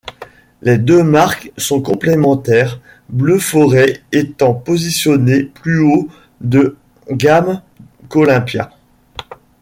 Les deux marques sont complémentaires, Bleu Forêt étant positionnée plus haut de gamme qu'Olympia.